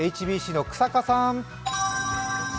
ＨＢＣの日下さん。